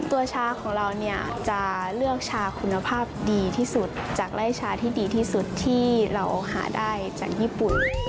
ชาของเราเนี่ยจะเลือกชาคุณภาพดีที่สุดจากไล่ชาที่ดีที่สุดที่เราหาได้จากญี่ปุ่น